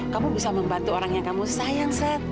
kamu bisa membantu orang yang kamu sayang